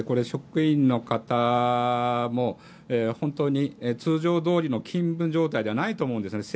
職員の方も、本当に通常どおりの勤務状態ではないと思うんです。